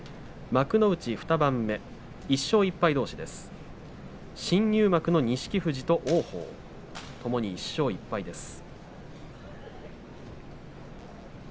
幕内２番目、１勝１敗どうし新入幕の錦富士と王鵬ともに１勝１敗です。